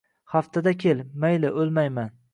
Haftada kel, mayli, o’lmayman.